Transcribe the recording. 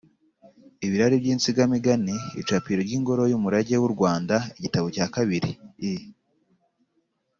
ibirari by’Insigamigani, Icapiro ry’Ingoro y’Umurage w’u Rwanda, Igitabo cya kabiri, I